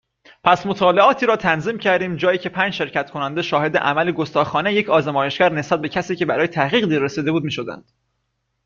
پس مطالعاتی را تنظیم کردیم جایی که پنج شرکت کننده شاهد عمل گستاخانهی یک آزمایشگر نسبت به کسی که برای تحقیق دیر رسیده بود میشدند